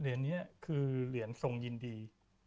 เหรียญนี้คือเหรียญทรงยินดี